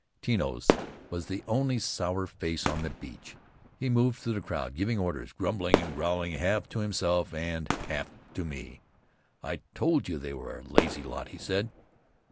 Tino's was the only sour face on the beach. He moved through the crowd, giving orders, grumbling and growling half to himself and half to me. "I told you they were a lazy lot," he said.